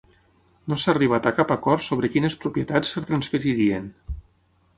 No s'ha arribat a cap acord sobre quines propietats es transferirien.